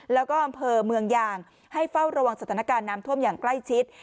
แล้วก็อำเภอเมืองยางให้เฝ้าระวังสถานการณ์น้ำท่วมอย่างใกล้ชิด